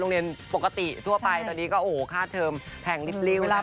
โรงเรียนปกติทั่วไปตอนนี้ก็โอ้ค่าเทอมแพงนิดลิ้วนะครับ